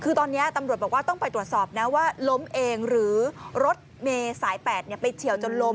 คือตอนนี้ตำรวจบอกว่าต้องไปตรวจสอบนะว่าล้มเองหรือรถเมย์สาย๘ไปเฉียวจนล้ม